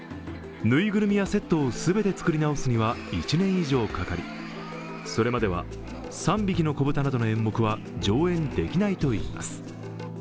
ぬいぐるみやセットを全て作り直すには１年以上かかりそれまでは「三匹のこぶた」などの演目は上演できないといいます。